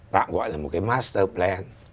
tạm gọi là một cái master plan